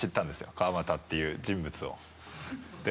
川真田っていう人物を。